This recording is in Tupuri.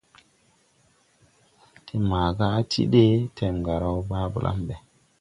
De maaga á ti ɗee, Tɛmga raw baa blam ɓɛ.